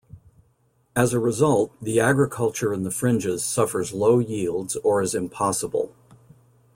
As a result, the agriculture in the fringes suffers low yields or is impossible.